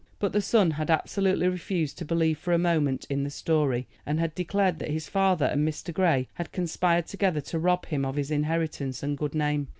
But the son had absolutely refused to believe for a moment in the story, and had declared that his father and Mr. Grey had conspired together to rob him of his inheritance and good name.